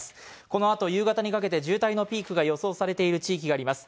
このあと夕方にかけて渋滞のピークが予想されている地域があります。